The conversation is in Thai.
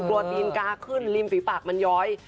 กรวดอินกาขึ้นริมฝีปากมันย้อย